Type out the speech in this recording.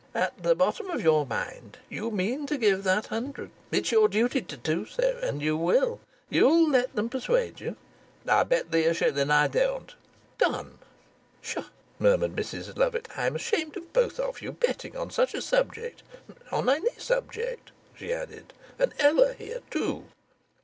"At the bottom of your mind you mean to give that hundred. It's your duty to do so, and you will. You'll let them persuade you." "I'll bet thee a shilling I don't." "Done!" "Ssh!" murmured Mrs Lovatt, "I'm ashamed of both of you, betting on such a subject or on any subject," she added. "And Ella here too!"